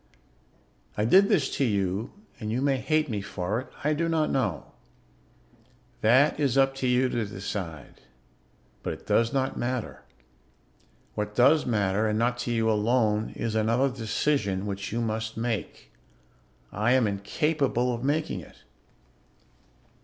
"I did this to you and you may hate me for it; I do not know. That is up to you to decide, but it does not matter. What does matter, and not to you alone, is another decision which you must make. I am incapable of making it.